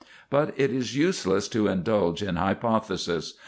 But it is useless to indulge in hypothesis.